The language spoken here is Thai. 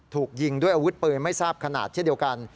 ถูกยิงด้วยอาวุธปืนไม่ทราบขนาดเช่นเดียวกัน